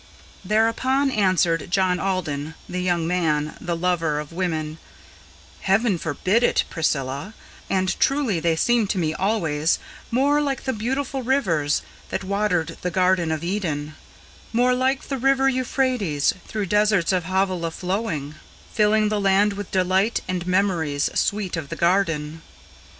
Thereupon answered John Alden, the young man, the lover of women: "Heaven forbid it, Priscilla; and truly they seem to me always More like the beautiful rivers that watered the garden of Eden, More like the river Euphrates, through deserts of Havilah flowing, Filling the land with delight, and memories sweet of the garden!"